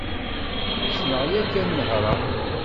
Ssneɣ yagi ad nehṛeɣ.